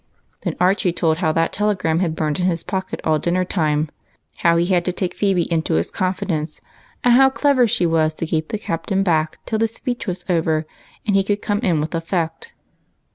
Then Archie told how that telegram had burnt in his pocket all dinner time ; how he had to take Phebe into his confidence, and how clever she was to keep the Captain back till the speech was over, and he could come in with effect.